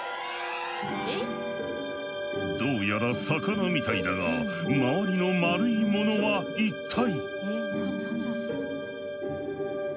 どうやら魚みたいだが周りの丸いものは一体？